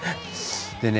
でね